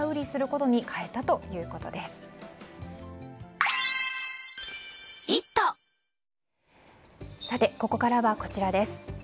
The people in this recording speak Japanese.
ここからは、こちらです。